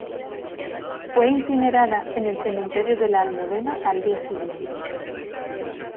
Fue incinerada en el cementerio de la Almudena al día siguiente.